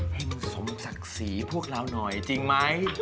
ให้มันสมศักดิ์ศรีพวกเราหน่อยจริงไหม